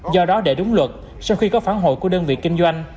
do đó để đúng luật sau khi có phán hội của đơn vị kinh doanh